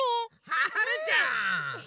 はるちゃん。